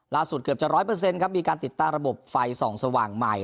ล่าสุดเกือบจะร้อยเปอร์เซ็นต์ครับมีการติดตั้งระบบไฟส่องสว่างใหม่